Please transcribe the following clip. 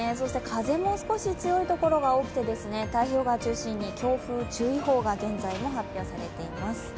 風も少し強いところが多くて太平洋側を中心に強風注意報が現在も発表されています。